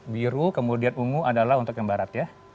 biru kemudian ungu adalah untuk yang barat ya